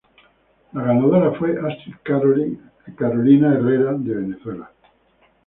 La ganadora fue Astrid Carolina Herrera de Venezuela.